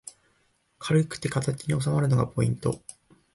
軽くて片手におさまるのがポイント